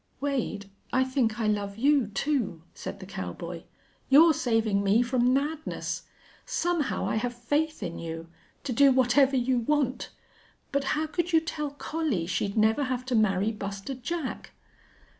"Wade, I think I love you, too," said the cowboy. "You're saving me from madness. Somehow I have faith in you to do whatever you want. But how could you tell Collie she'd never have to marry Buster Jack?"